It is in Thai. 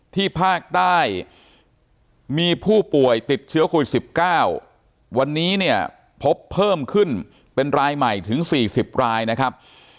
ภาคใต้มีผู้ป่วยติดเชื้อโควิด๑๙วันนี้เนี่ยพบเพิ่มขึ้นเป็นรายใหม่ถึง๔๐รายนะครับ